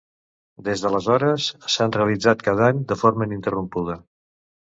Des d'aleshores, s'han realitzat cada any de forma ininterrompuda.